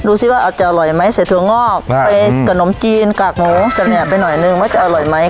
ดูซิว่าอาจจะอร่อยไหมใส่ถืองอกไปกับนมจีนกากหมูแสดงไปหน่อยหนึ่งว่าจะอร่อยไหม